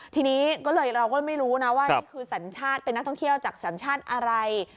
ทีนี้ก็เลยเราก็ไม่รู้นะว่านี่คือสัญชาติเป็นนักท่องเที่ยวจากสัญชาติอะไร